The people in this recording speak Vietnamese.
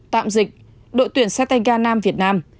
tạm dịch đội tuyển xe tay ga nam việt nam